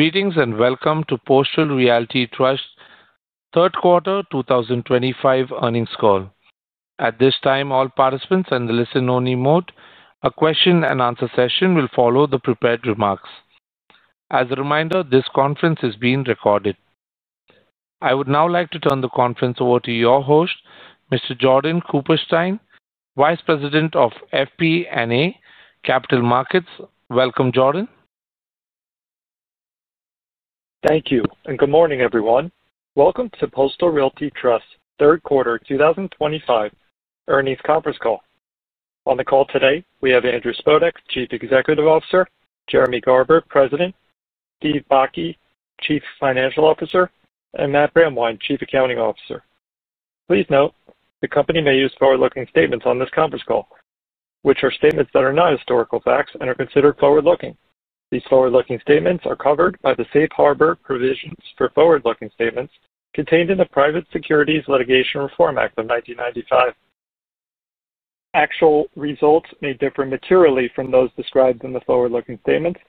Greetings and welcome to Postal Realty Trust's third-quarter 2025 earnings call. At this time, all participants are in the listen-only mode. A question-and-answer session will follow the prepared remarks. As a reminder, this conference is being recorded. I would now like to turn the conference over to your host, Mr. Jordan Cooperstein, Vice President of FP&A Capital Markets. Welcome, Jordan. Thank you, and good morning, everyone. Welcome to Postal Realty Trust's third-quarter 2025 earnings conference call. On the call today, we have Andrew Spodek, Chief Executive Officer; Jeremy Garber, President; Steve Bakke, Chief Financial Officer; and Matt Brandwein, Chief Accounting Officer. Please note the company may use forward-looking statements on this conference call, which are statements that are not historical facts and are considered forward-looking. These forward-looking statements are covered by the safe harbor provisions for forward-looking statements contained in the Private Securities Litigation Reform Act of 1995. Actual results may differ materially from those described in the forward-looking statements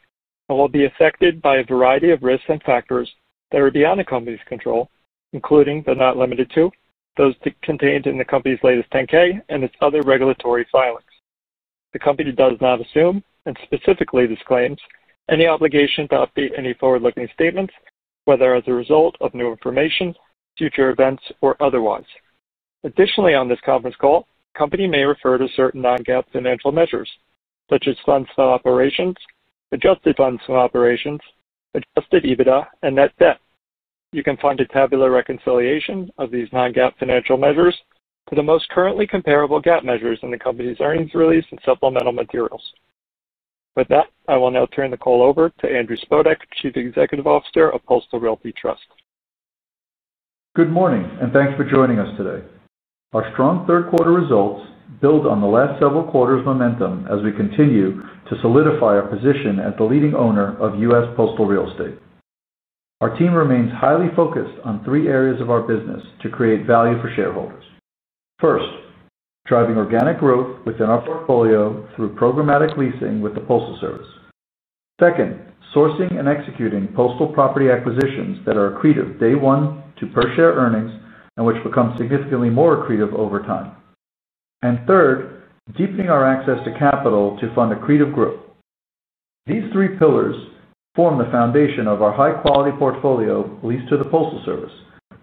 and will be affected by a variety of risks and factors that are beyond the company's control, including but not limited to those contained in the company's latest 10-K and its other regulatory filings. The company does not assume, and specifically disclaims, any obligation to update any forward-looking statements, whether as a result of new information, future events, or otherwise. Additionally, on this conference call, the company may refer to certain non-GAAP financial measures, such as funds from operations, adjusted funds from operations, adjusted EBITDA, and net debt. You can find a tabular reconciliation of these non-GAAP financial measures to the most currently comparable GAAP measures in the company's earnings release and supplemental materials. With that, I will now turn the call over to Andrew Spodek, Chief Executive Officer of Postal Realty Trust. Good morning, and thanks for joining us today. Our strong third-quarter results build on the last several quarters' momentum as we continue to solidify our position as the leading owner of U.S. postal real estate. Our team remains highly focused on three areas of our business to create value for shareholders. First, driving organic growth within our portfolio through programmatic leasing with the Postal Service. Second, sourcing and executing postal property acquisitions that are accretive day one to per-share earnings and which become significantly more accretive over time. Third, deepening our access to capital to fund accretive growth. These three pillars form the foundation of our high-quality portfolio leased to the Postal Service,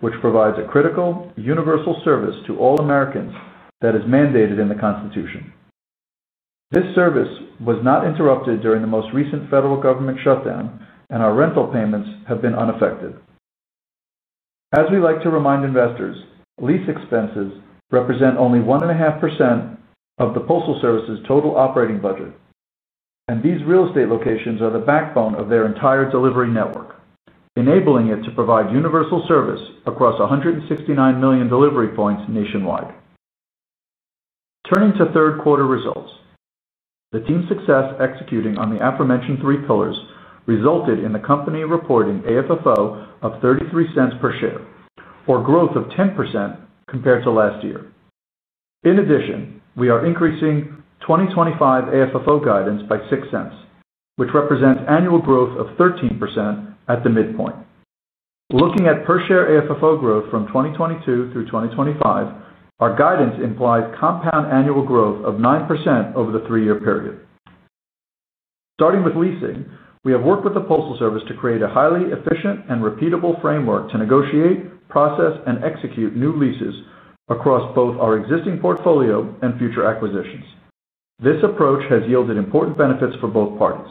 which provides a critical, universal service to all Americans that is mandated in the Constitution. This service was not interrupted during the most recent federal government shutdown, and our rental payments have been unaffected. As we like to remind investors, lease expenses represent only 1.5% of the Postal Service's total operating budget, and these real estate locations are the backbone of their entire delivery network, enabling it to provide universal service across 169 million delivery points nationwide. Turning to third-quarter results, the team's success executing on the aforementioned three pillars resulted in the company reporting AFFO of $0.33 per share, or growth of 10% compared to last year. In addition, we are increasing 2025 AFFO guidance by $0.06, which represents annual growth of 13% at the midpoint. Looking at per-share AFFO growth from 2022 through 2025, our guidance implies compound annual growth of 9% over the three-year period. Starting with leasing, we have worked with the Postal Service to create a highly efficient and repeatable framework to negotiate, process, and execute new leases across both our existing portfolio and future acquisitions. This approach has yielded important benefits for both parties.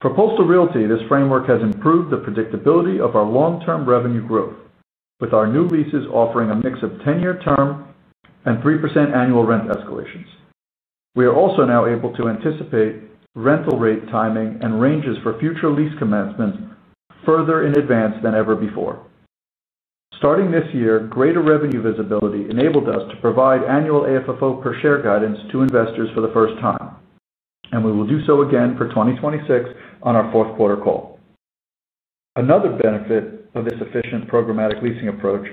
For Postal Realty Trust, this framework has improved the predictability of our long-term revenue growth, with our new leases offering a mix of 10-year term and 3% annual rent escalations. We are also now able to anticipate rental rate timing and ranges for future lease commencements further in advance than ever before. Starting this year, greater revenue visibility enabled us to provide annual AFFO per-share guidance to investors for the first time, and we will do so again for 2026 on our fourth-quarter call. Another benefit of this efficient programmatic leasing approach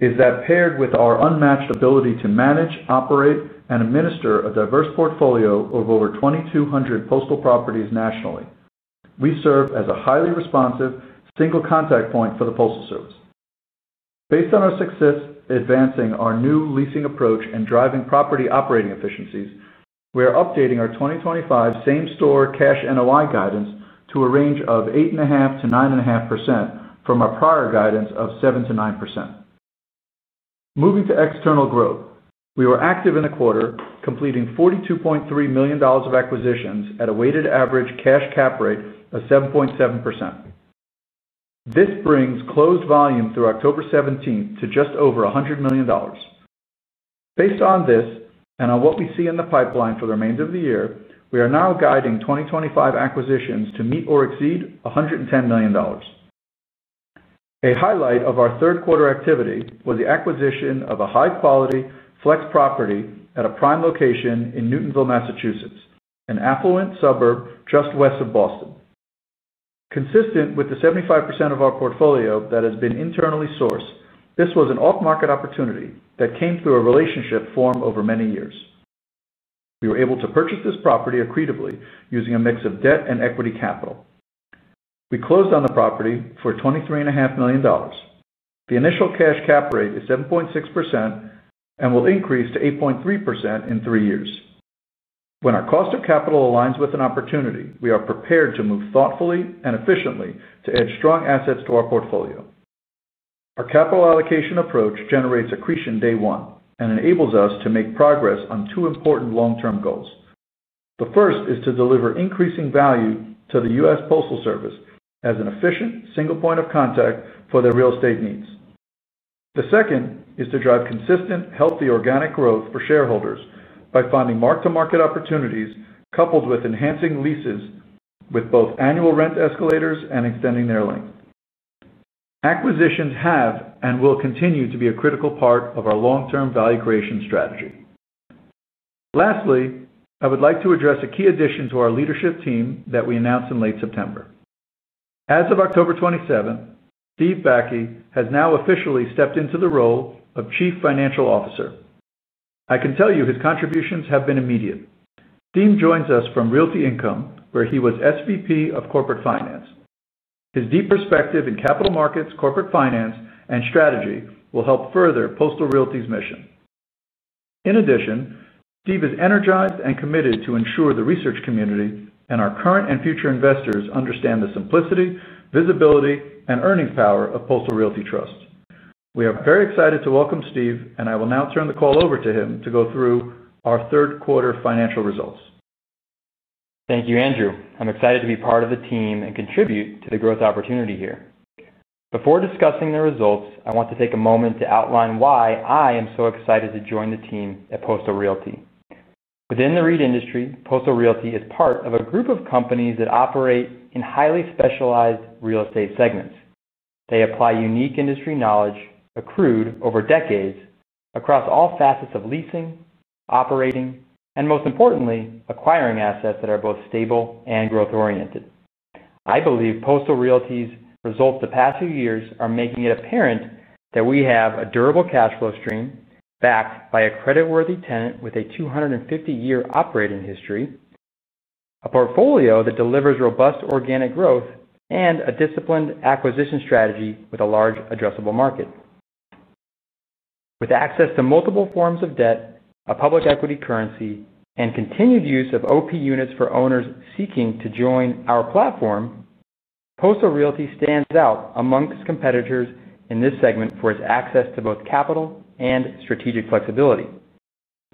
is that, paired with our unmatched ability to manage, operate, and administer a diverse portfolio of over 2,200 postal properties nationally, we serve as a highly responsive single contact point for the Postal Service. Based on our success advancing our new leasing approach and driving property operating efficiencies, we are updating our 2025 same-store cash NOI guidance to a range of 8.5%-9.5% from our prior guidance of 7%-9%. Moving to external growth, we were active in the quarter, completing $42.3 million of acquisitions at a weighted average cash cap rate of 7.7%. This brings closed volume through October 17th to just over $100 million. Based on this and on what we see in the pipeline for the remainder of the year, we are now guiding 2025 acquisitions to meet or exceed $110 million. A highlight of our third-quarter activity was the acquisition of a high-quality flex property at a prime location in Newtonville, Massachusetts, an affluent suburb just west of Boston. Consistent with the 75% of our portfolio that has been internally sourced, this was an off-market opportunity that came through a relationship formed over many years. We were able to purchase this property accretively using a mix of debt and equity capital. We closed on the property for $23.5 million. The initial cash cap rate is 7.6% and will increase to 8.3% in three years. When our cost of capital aligns with an opportunity, we are prepared to move thoughtfully and efficiently to add strong assets to our portfolio. Our capital allocation approach generates accretion day one and enables us to make progress on two important long-term goals. The first is to deliver increasing value to the U.S. Postal Service as an efficient single point of contact for their real estate needs. The second is to drive consistent, healthy organic growth for shareholders by finding mark-to-market opportunities coupled with enhancing leases with both annual rent escalators and extending their length. Acquisitions have and will continue to be a critical part of our long-term value creation strategy. Lastly, I would like to address a key addition to our leadership team that we announced in late September. As of October 27th, Steve Bakke has now officially stepped into the role of Chief Financial Officer. I can tell you his contributions have been immediate. Steve joins us from Realty Income, where he was SVP of Corporate Finance. His deep perspective in capital markets, corporate finance, and strategy will help further Postal Realty's mission. In addition, Steve is energized and committed to ensure the research community and our current and future investors understand the simplicity, visibility, and earning power of Postal Realty Trust. We are very excited to welcome Steve, and I will now turn the call over to him to go through our third-quarter financial results. Thank you, Andrew. I'm excited to be part of the team and contribute to the growth opportunity here. Before discussing the results, I want to take a moment to outline why I am so excited to join the team at Postal Realty. Within the REIT industry, Postal Realty is part of a group of companies that operate in highly specialized real estate segments. They apply unique industry knowledge accrued over decades across all facets of leasing, operating, and most importantly, acquiring assets that are both stable and growth-oriented. I believe Postal Realty's results the past few years are making it apparent that we have a durable cash flow stream backed by a creditworthy tenant with a 250-year operating history, a portfolio that delivers robust organic growth, and a disciplined acquisition strategy with a large addressable market. With access to multiple forms of debt, a public equity currency, and continued use of OP units for owners seeking to join our platform, Postal Realty stands out amongst competitors in this segment for its access to both capital and strategic flexibility.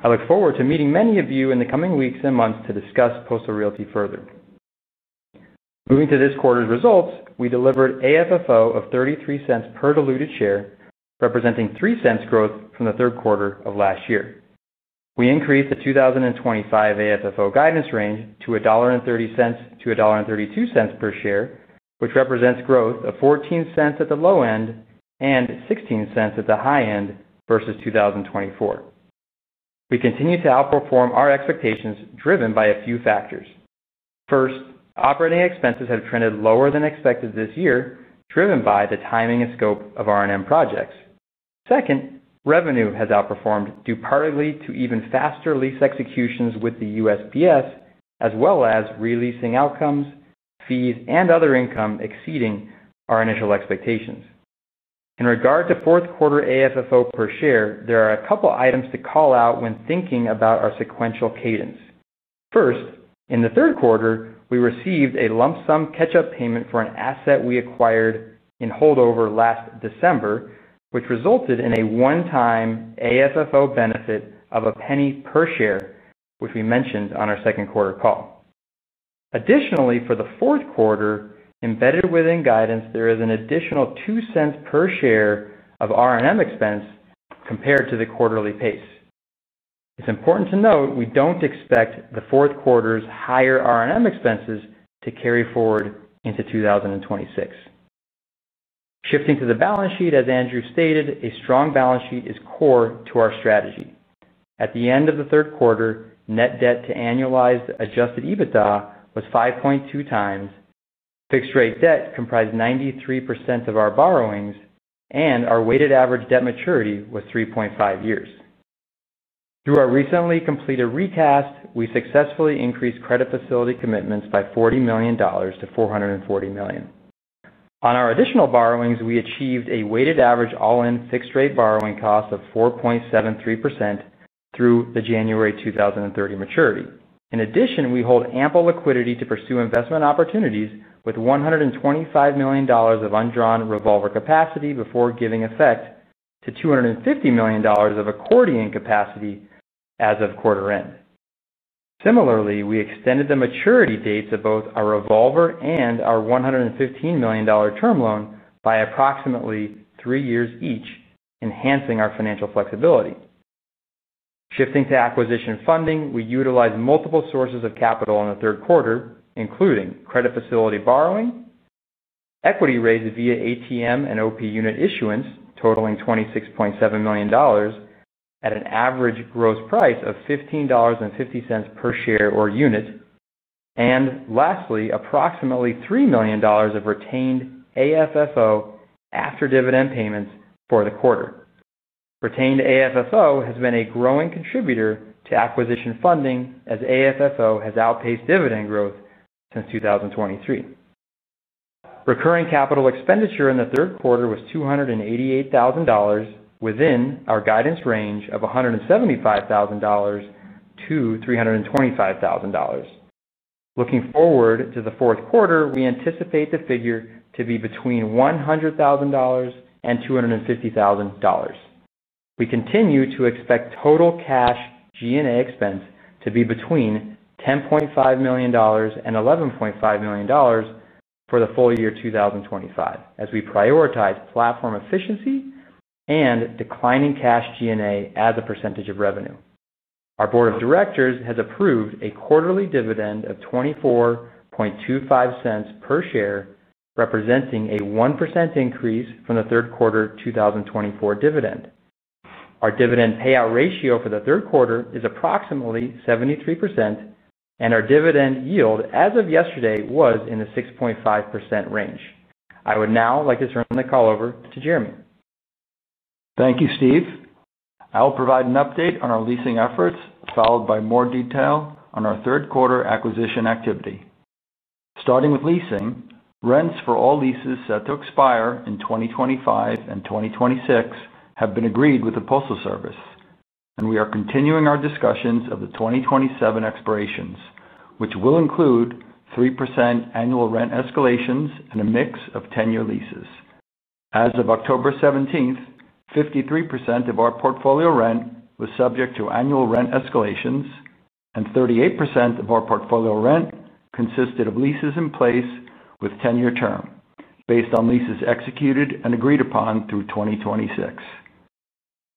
I look forward to meeting many of you in the coming weeks and months to discuss Postal Realty further. Moving to this quarter's results, we delivered AFFO of $0.33 per diluted share, representing $0.03 growth from the third quarter of last year. We increased the 2025 AFFO guidance range to $1.30-$1.32 per share, which represents growth of $0.14 at the low end and $0.16 at the high end versus 2024. We continue to outperform our expectations driven by a few factors. First, operating expenses have trended lower than expected this year, driven by the timing and scope of R&M projects. Second, revenue has outperformed due partly to even faster lease executions with the USPS, as well as re-leasing outcomes, fees, and other income exceeding our initial expectations. In regard to fourth-quarter AFFO per share, there are a couple of items to call out when thinking about our sequential cadence. First, in the third quarter, we received a lump-sum catch-up payment for an asset we acquired in holdover last December, which resulted in a one-time AFFO benefit of a penny per share, which we mentioned on our second-quarter call. Additionally, for the fourth quarter, embedded within guidance, there is an additional $0.02 cents per share of R&M expense compared to the quarterly pace. It's important to note we don't expect the fourth quarter's higher R&M expenses to carry forward into 2026. Shifting to the balance sheet, as Andrew stated, a strong balance sheet is core to our strategy. At the end of the third quarter, net debt to annualized adjusted EBITDA was 5.2x, fixed-rate debt comprised 93% of our borrowings, and our weighted average debt maturity was 3.5 years. Through our recently completed recast, we successfully increased credit facility commitments by $40 million to $440 million. On our additional borrowings, we achieved a weighted average all-in fixed-rate borrowing cost of 4.73% through the January 2030 maturity. In addition, we hold ample liquidity to pursue investment opportunities with $125 million of undrawn revolver capacity before giving effect to $250 million of accordion capacity as of quarter end. Similarly, we extended the maturity dates of both our revolver and our $115 million term loan by approximately three years each, enhancing our financial flexibility. Shifting to acquisition funding, we utilized multiple sources of capital in the third quarter, including credit facility borrowing. Equity raised via ATM and OP unit issuance totaling $26.7 million. At an average gross price of $15.50 per share or unit, and lastly, approximately $3 million of retained AFFO after dividend payments for the quarter. Retained AFFO has been a growing contributor to acquisition funding as AFFO has outpaced dividend growth since 2023. Recurring capital expenditure in the third quarter was $288,000 within our guidance range of $175,000-$325,000. Looking forward to the fourth quarter, we anticipate the figure to be between $100,000 and $250,000. We continue to expect total cash G&A expense to be between $10.5 million and $11.5 million for the full year 2025 as we prioritize platform efficiency and declining cash G&A as a percentage of revenue. Our board of directors has approved a quarterly dividend of $0.2425 per share, representing a 1% increase from the third quarter 2024 dividend. Our dividend payout ratio for the third quarter is approximately 73%, and our dividend yield as of yesterday was in the 6.5% range. I would now like to turn the call over to Jeremy. Thank you, Steve. I will provide an update on our leasing efforts, followed by more detail on our third-quarter acquisition activity. Starting with leasing, rents for all leases set to expire in 2025 and 2026 have been agreed with the Postal Service, and we are continuing our discussions of the 2027 expirations, which will include 3% annual rent escalations and a mix of 10-year leases. As of October 17, 53% of our portfolio rent was subject to annual rent escalations, and 38% of our portfolio rent consisted of leases in place with 10-year term based on leases executed and agreed upon through 2026.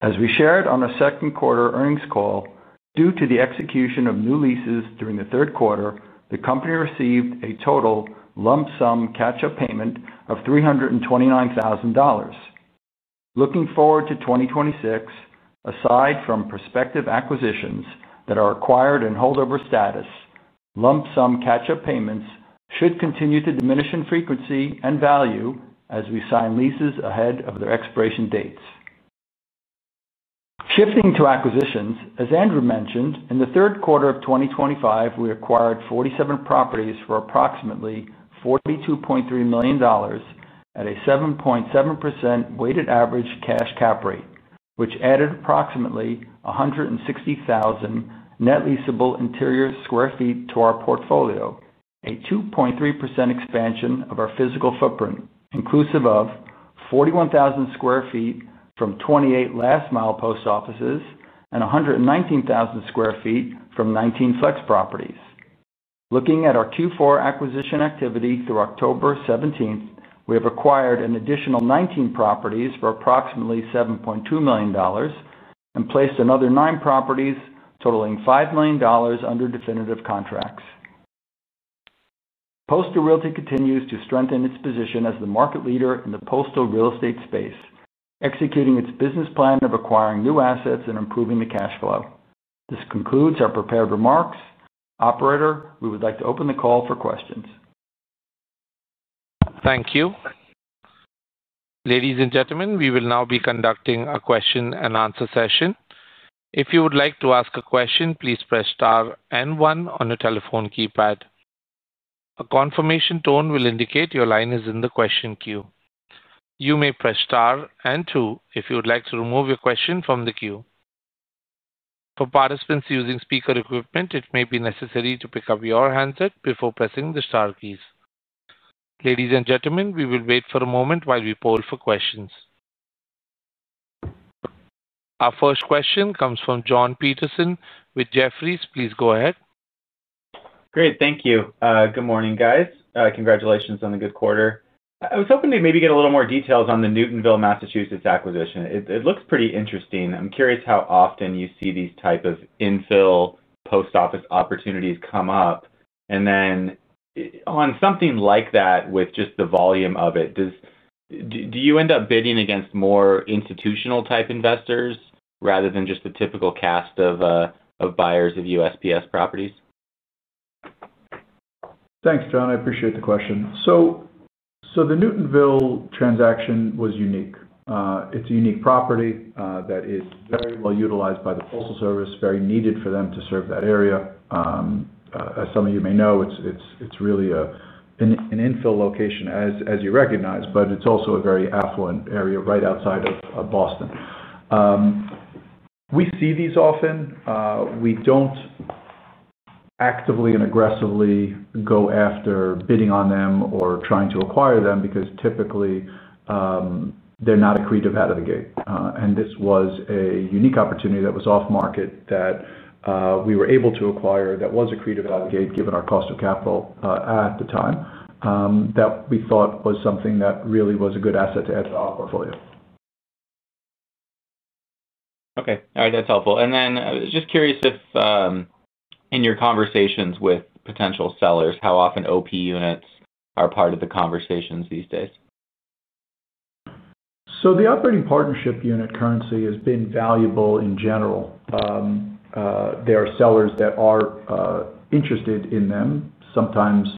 As we shared on our second-quarter earnings call, due to the execution of new leases during the third quarter, the company received a total lump-sum catch-up payment of $329,000. Looking forward to 2026, aside from prospective acquisitions that are acquired in holdover status, lump-sum catch-up payments should continue to diminish in frequency and value as we sign leases ahead of their expiration dates. Shifting to acquisitions, as Andrew mentioned, in the third quarter of 2025, we acquired 47 properties for approximately $42.3 million at a 7.7% weighted average cash cap rate, which added approximately 160,000 net leasable interior sqare feet to our portfolio, a 2.3% expansion of our physical footprint, inclusive of 41,000 sq ft from 28 last-mile post offices and 119,000 sq ft from 19 flex properties. Looking at our Q4 acquisition activity through October 17th, we have acquired an additional 19 properties for approximately $7.2 million and placed another nine properties totaling $5 million under definitive contracts. Postal Realty Trust continues to strengthen its position as the market leader in the postal real estate space, executing its business plan of acquiring new assets and improving the cash flow. This concludes our prepared remarks. Operator, we would like to open the call for questions. Thank you. Ladies and gentlemen, we will now be conducting a question-and-answer session. If you would like to ask a question, please press star and one on your telephone keypad. A confirmation tone will indicate your line is in the question queue. You may press star and two if you would like to remove your question from the queue. For participants using speaker equipment, it may be necessary to pick up your handset before pressing the star keys. Ladies and gentlemen, we will wait for a moment while we poll for questions. Our first question comes from Jon Petersen with Jefferies. Please go ahead. Great. Thank you. Good morning, guys. Congratulations on the good quarter. I was hoping to maybe get a little more details on the Newtonville, Massachusetts acquisition. It looks pretty interesting. I'm curious how often you see these types of infill post office opportunities come up. On something like that with just the volume of it, do you end up bidding against more institutional-type investors rather than just the typical cast of buyers of USPS properties? Thanks, John. I appreciate the question. The Newtonville transaction was unique. It's a unique property that is very well utilized by the Postal Service, very needed for them to serve that area. As some of you may know, it's really an infill location, as you recognize, but it's also a very affluent area right outside of Boston. We see these often. We don't actively and aggressively go after bidding on them or trying to acquire them because typically they're not accretive out of the gate. This was a unique opportunity that was off-market that we were able to acquire that was accretive out of the gate given our cost of capital at the time that we thought was something that really was a good asset to add to our portfolio. Okay. All right. That's helpful. Just curious if, in your conversations with potential sellers, how often OP units are part of the conversations these days? The operating partnership unit currency has been valuable in general. There are sellers that are interested in them. Sometimes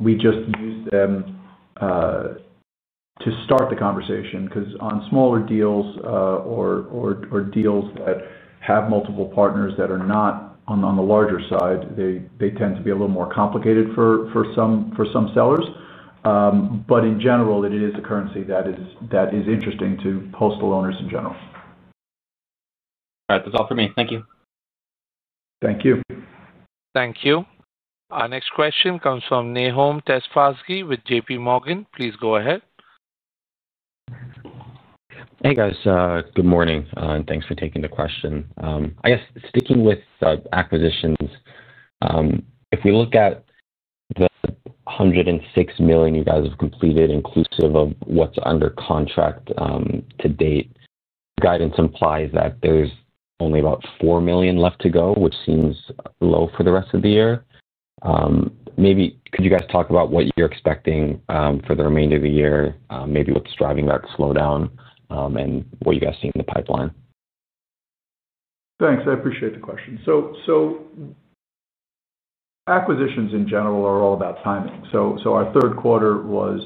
we just use them to start the conversation because on smaller deals or deals that have multiple partners that are not on the larger side, they tend to be a little more complicated for some sellers. In general, it is a currency that is interesting to Postal owners in general. All right. That's all for me. Thank you. Thank you. Thank you. Our next question comes from Nahom Tesfazghi with JPMorgan. Please go ahead. Hey, guys. Good morning. Thanks for taking the question. I guess sticking with acquisitions, if we look at the $106 million you guys have completed, inclusive of what's under contract to date, guidance implies that there's only about $4 million left to go, which seems low for the rest of the year. Maybe could you guys talk about what you're expecting for the remainder of the year, maybe what's driving that slowdown, and what you guys see in the pipeline? Thanks. I appreciate the question. Acquisitions in general are all about timing. Our third quarter was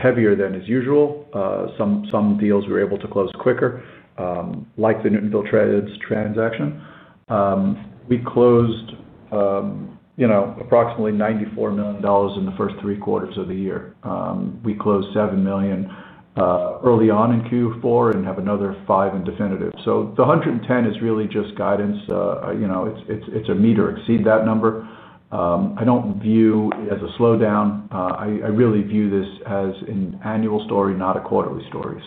heavier than is usual. Some deals we were able to close quicker, like the Newtonville transaction. We closed approximately $94 million in the first three quarters of the year. We closed $7 million early on in Q4 and have another $5 million in definitive. The $110 million is really just guidance. It's a meet or exceed that number. I don't view it as a slowdown. I really view this as an annual story, not a quarterly story.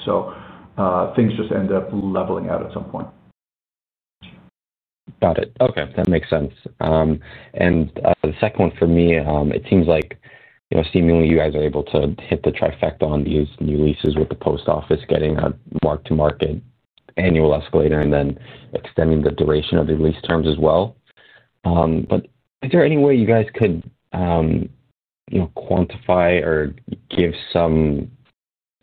Things just end up leveling out at some point. Got it. Okay. That makes sense. The second one for me, it seems like, seemingly you guys are able to hit the trifecta on these new leases with the post office, getting a mark-to-market annual escalator and then extending the duration of the lease terms as well. Is there any way you guys could quantify or give some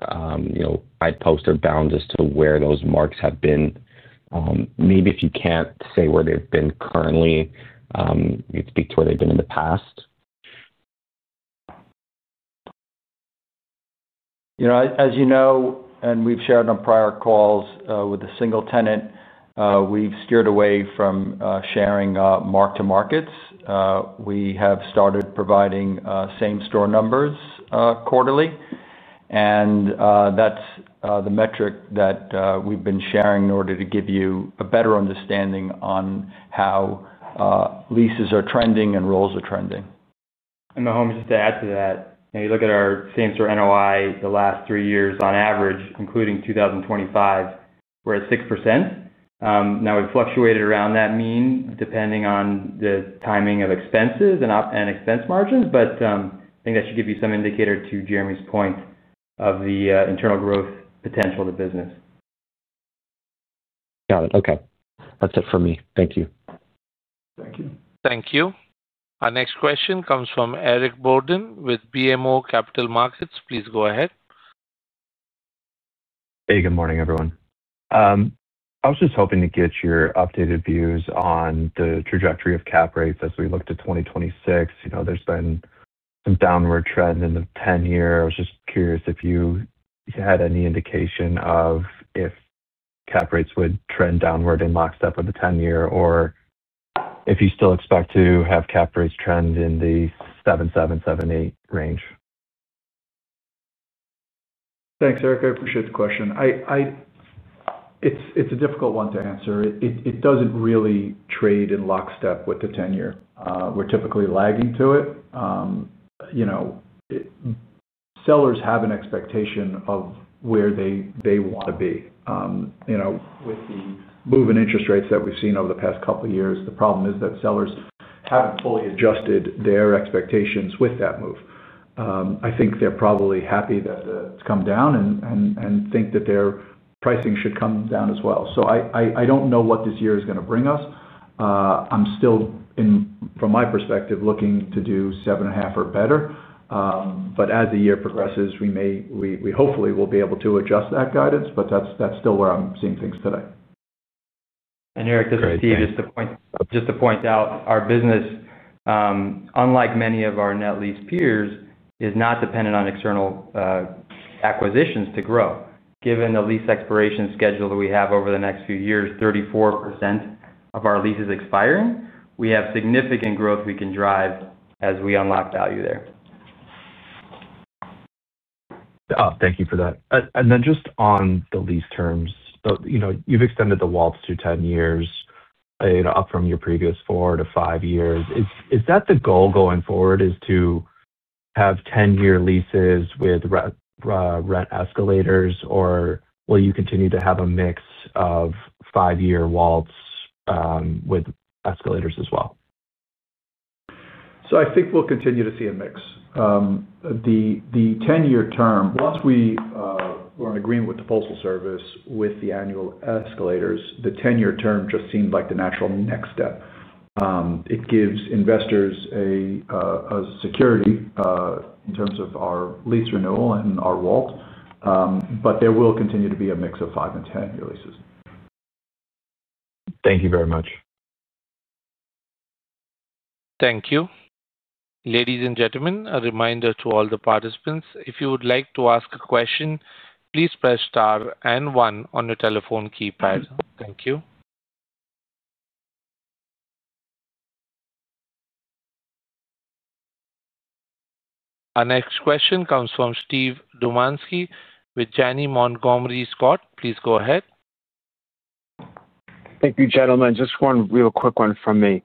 guidepost or bound as to where those marks have been? Maybe if you can't say where they've been currently, you could speak to where they've been in the past. As you know, and we've shared on prior calls with a single tenant, we've steered away from sharing mark-to-markets. We have started providing same-store numbers quarterly. That's the metric that we've been sharing in order to give you a better understanding on how leases are trending and roles are trending. Nahom, just to add to that, you look at our same-store NOI the last three years, on average, including 2025, we're at 6%. Now, we've fluctuated around that mean depending on the timing of expenses and expense margins, but I think that should give you some indicator to Jeremy's point of the internal growth potential of the business. Got it. Okay. That's it for me. Thank you. Thank you. Thank you. Our next question comes from Eric Borden with BMO Capital Markets. Please go ahead. Hey, good morning, everyone. I was just hoping to get your updated views on the trajectory of cap rates as we look to 2026. There's been some downward trend in the 10-year. I was just curious if you had any indication of if cap rates would trend downward in lockstep with the 10-year or if you still expect to have cap rates trend in the 7-7.8 range. Thanks, Eric. I appreciate the question. It's a difficult one to answer. It doesn't really trade in lockstep with the 10-year. We're typically lagging to it. Sellers have an expectation of where they want to be. With the move in interest rates that we've seen over the past couple of years, the problem is that sellers haven't fully adjusted their expectations with that move. I think they're probably happy that it's come down and think that their pricing should come down as well. I don't know what this year is going to bring us. I'm still, from my perspective, looking to do 7.5% or better. As the year progresses, we hopefully will be able to adjust that guidance, but that's still where I'm seeing things today. Eric, just to. Sorry. Point out, our business, unlike many of our net lease peers, is not dependent on external acquisitions to grow. Given the lease expiration schedule that we have over the next few years, 34% of our leases expiring, we have significant growth we can drive as we unlock value there. Oh, thank you for that. Then just on the lease terms, you've extended the wallets to 10 years, up from your previous 4-5 years. Is that the goal going forward, is to have 10-year leases with rent escalators, or will you continue to have a mix of 5-year wallets with escalators as well? I think we'll continue to see a mix. The 10-year term, once we were in agreement with the Postal Service with the annual escalators, the 10-year term just seemed like the natural next step. It gives investors a security in terms of our lease renewal and our wallet. There will continue to be a mix of 5- and 10-year leases. Thank you very much. Thank you. Ladies and gentlemen, a reminder to all the participants, if you would like to ask a question, please press star and one on your telephone keypad. Thank you. Our next question comes from Steve Dumanski with Janney Montgomery Scott. Please go ahead. Thank you, gentlemen. Just one real quick one from me.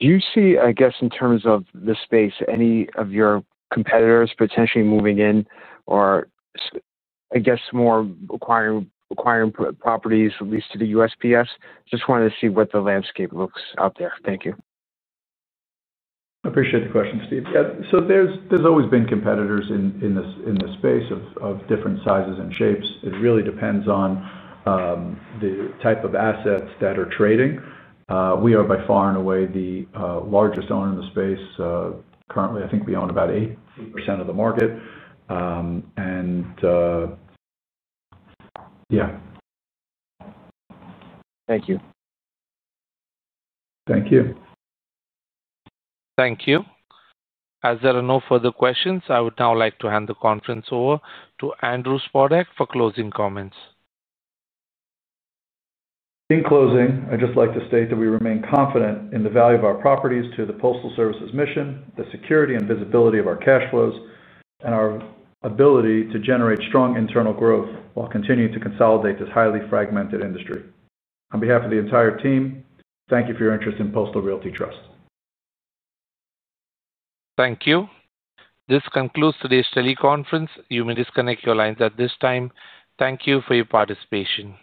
Do you see, I guess, in terms of the space, any of your competitors potentially moving in or, I guess, more acquiring properties leased to the USPS? Just wanted to see what the landscape looks out there. Thank you. I appreciate the question, Steve. Yeah. There's always been competitors in this space of different sizes and shapes. It really depends on the type of assets that are trading. We are, by far and away, the largest owner in the space. Currently, I think we own about 80% of the market. Yeah. Thank you. Thank you. Thank you. As there are no further questions, I would now like to hand the conference over to Andrew Spodek for closing comments. In closing, I'd just like to state that we remain confident in the value of our properties to the Postal Service's mission, the security and visibility of our cash flows, and our ability to generate strong internal growth while continuing to consolidate this highly fragmented industry. On behalf of the entire team, thank you for your interest in Postal Realty Trust. Thank you. This concludes today's teleconference. You may disconnect your lines at this time. Thank you for your participation.